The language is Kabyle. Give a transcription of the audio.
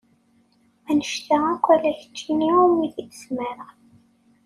Annect-a akk ala i kečč iwumi i t-id-smareɣ.